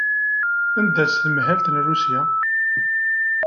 Anda-tt tmahelt n Rusya?